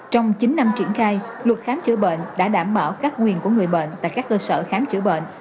trong chín năm triển khai luật khám chữa bệnh đã đảm bảo các quyền của người bệnh tại các cơ sở khám chữa bệnh